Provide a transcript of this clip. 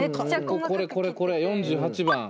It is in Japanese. これこれこれこれ４８番。